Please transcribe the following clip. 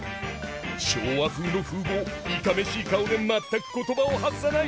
昭和風の風貌いかめしい顔で全く言葉を発さない。